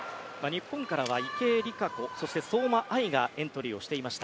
日本からは池江璃花子そして、相馬あいがエントリーをしていました。